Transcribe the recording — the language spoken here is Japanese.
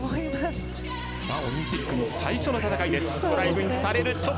オリンピックの最初の戦い。